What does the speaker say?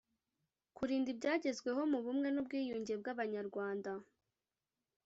kurinda ibyagezweho mu bumwe n’ubwiyunge bw’abanyarwanda